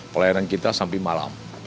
pelayanan kita sampai malam